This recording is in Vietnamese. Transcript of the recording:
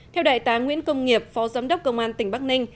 theo đại tá nguyễn công nghiệp phó giám đốc công an tỉnh bắc ninh